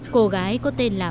cô gái có tên là